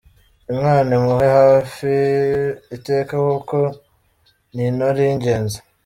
Imana imube hafi iteka kuko n'intore y'ingenzi.